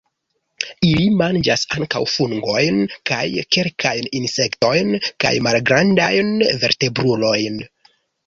Ili manĝas ankaŭ fungojn, kaj kelkajn insektojn kaj malgrandajn vertebrulojn.